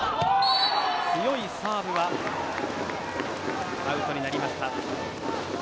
強いサーブはアウトになりました。